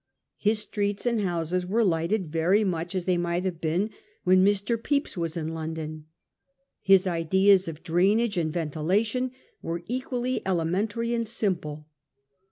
His streets and houses were lighted very much as they might have been when Mr. Pepys was in Lon don. His ideas of drainage and ventilation were equally elementary and simple.